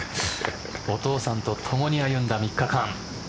お父さんと共に歩んだ３日間。